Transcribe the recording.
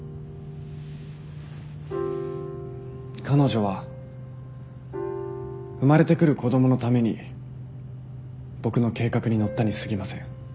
彼女は生まれてくる子供のために僕の計画に乗ったにすぎません。